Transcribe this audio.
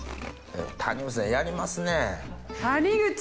谷口さんやりますねぇ。